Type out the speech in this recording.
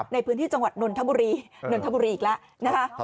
ในพื้นที่จังหวัดนนทบุรีอีกแล้วนะคะ